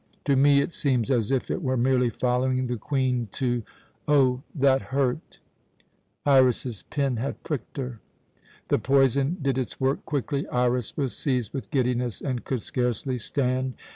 To me it seems as if it were merely following the Queen to Oh, that hurt!" Iras's pin had pricked her. The poison did its work quickly. Iras was seized with giddiness, and could scarcely stand.